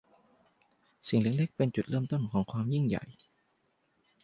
สิ่งเล็ก ๆ เป็นจุดเริ่มต้นของความยิ่งใหญ่